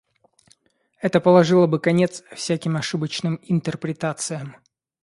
Это положило бы конец всяким ошибочным интерпретациям.